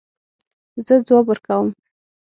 زه ځواب ورکوم